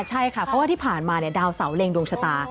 ใช่ค่ะเพราะว่าที่ผ่านมาดาวเสาเล็งดวงชะตา